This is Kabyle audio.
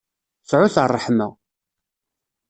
Sɛut ṛṛeḥma.